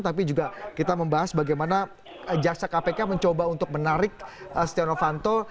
tapi juga kita membahas bagaimana jaksa kpk mencoba untuk menarik stiano fanto